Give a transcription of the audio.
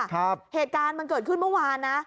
เหตุการณ์มันเกิดขึ้นเมื่อวานนะ